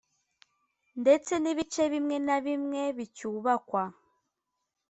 ndetse n’ibice bimwe na bimwe bicyubakwa